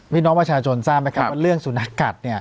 พี่น้องประชาชนทราบไหมครับว่าเรื่องสุนัขกัดเนี่ย